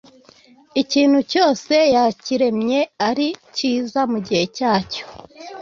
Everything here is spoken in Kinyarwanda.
Ikintu cyose yakiremye ari cyiza mu gihe cyacyo.